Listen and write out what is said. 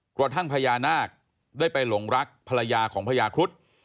กระทั่งพญานาคได้ไปหลงรักภรรยาของพญาครุฑ